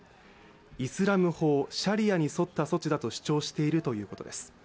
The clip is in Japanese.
イスラム法＝シャリアに沿った措置だと主張しているということです。